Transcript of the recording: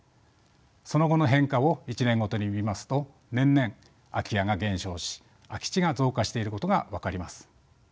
その後の変化を１年ごとに見ますと年々空き家が減少し空き地が増加していることが分かります。